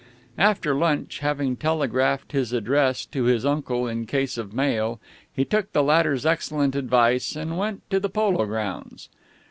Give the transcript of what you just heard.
After lunch, having telegraphed his address to his uncle in case of mail, he took the latter's excellent advice and went to the polo grounds.